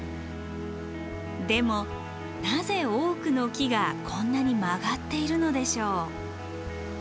でもなぜ多くの木がこんなに曲がっているのでしょう？